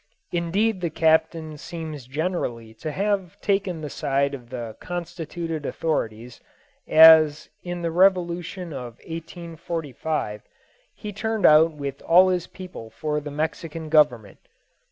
Indeed the Captain seems generally to have taken the side of the constituted authorities, as in thy revolution of 1845 he turned out with all his people for the Mexican Government.